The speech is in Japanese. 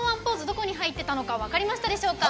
どこに入ってたのか分かりましたでしょうか？